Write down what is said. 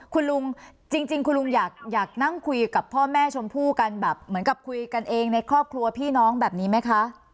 คุณลุงจริงคุณลุงอยากนั่งคุยกับพ่อแม่ชมพู่กันแบบเหมือนกับคุยกันเองในครอบครัวพี่น้องแบบนี้ไหมคะ